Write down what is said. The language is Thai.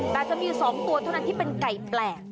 แต่จะมี๒ตัวเท่านั้นที่เป็นไก่แปลก